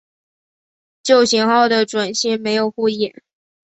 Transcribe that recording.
旧型号的准星没有护翼。